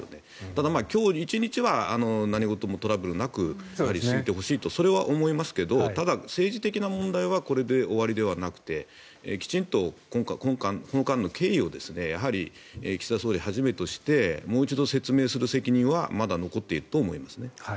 ただ、今日１日は何事もトラブルなく進めてほしいとそれは思いますけどもただ、政治的な問題はこれで終わりではなくてきちんとこの間の経緯をやはり岸田総理をはじめとしてもう一度説明する責任はまだ残っていると思いますね。